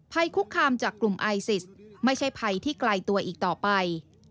ภัยคุกคามจากกลุ่มไอซิสไม่ใช่ภัยที่ไกลตัวอีกต่อไป